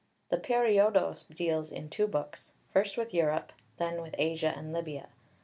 The Periodos deals in two books, first with Europe, then with Asia and Libya.